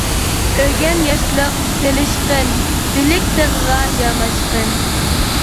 ئۆگەن ياشلىق، چېلىشقىن، بىلىك تېغىغا ياماشقىن.